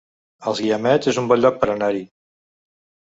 Els Guiamets es un bon lloc per anar-hi